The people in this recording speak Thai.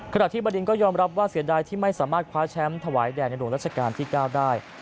ขณะที่บดินก็ยอมรับว่าเสียดายที่ไม่สามารถคว้าแชมป์ถวายแด่ในหลวงรัชกาลที่๙ได้